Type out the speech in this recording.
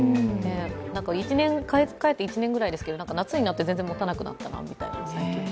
買い替えて１年ぐらいですけど夏になって全然もたなくなったなみたいな。